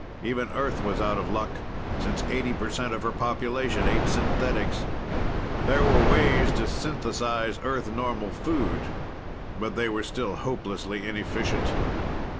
Even Earth was out of luck, since eighty percent of her population ate synthetics. There were ways to synthesize Earth normal food, but they were still hopelessly inefficient.